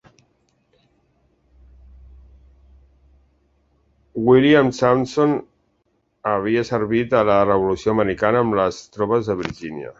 William Sampson havia servit a la Revolució Americana amb les tropes de Virgínia.